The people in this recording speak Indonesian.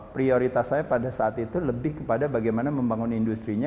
prioritas saya pada saat itu lebih kepada bagaimana membangun industri nya